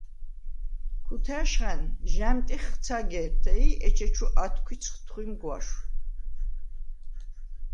ქუთა̄̈შხა̈ნ ჟ’ა̈მტიხხ ცაგე̄რთე ი ეჩეჩუ ათქუ̂იცხ თხუ̂იმ გუ̂აშუ̂: